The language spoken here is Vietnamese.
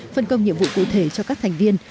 phân công nhiệm vụ cụ thể cho các thành viên